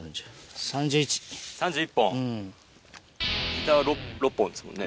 ギターは６本ですもんね。